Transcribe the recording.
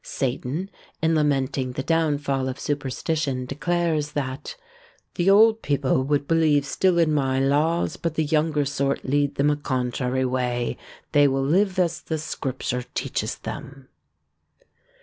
Satan, in lamenting the downfall of superstition, declares that The old people would believe still in my laws, But the younger sort lead them a contrary way They will live as the Scripture teacheth them.